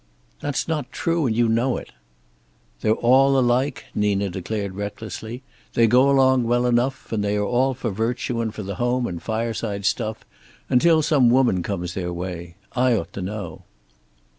"That's not true, and you know it." "They're all alike," Nina declared recklessly. "They go along well enough, and they are all for virtue and for the home and fireside stuff, until some woman comes their way. I ought to know."